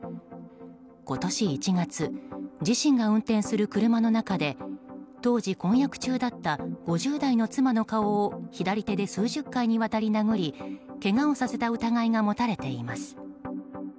今年１月自身が運転する車の中で当時婚約中だった５０代の妻の顔を左手で数十回にわたり殴りけがをさせた疑いが持たれています。